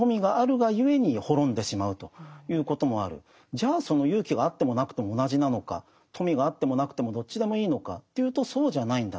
じゃあその勇気があってもなくても同じなのか富があってもなくてもどっちでもいいのかというとそうじゃないんだと。